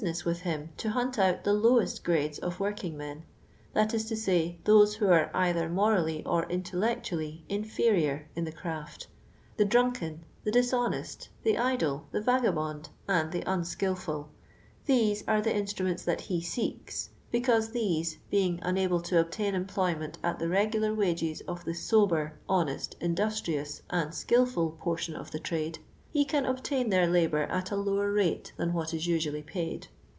t with him to hunt out the lowest grades uf workin? men that is to say, those who are either niomily or intelleciually in ferior in the craft —the drunkon, the dishonest, the idle, t'le vagHbonii, and the unskilful ; these are the instruments that ho seeks for, because, these being unuble to obtain employment at tlie regular wages of the S'jbitr, honest, industrious, and skilful portion of the tmde, he can obtain their labour at a lower r.ite than what is usually paid.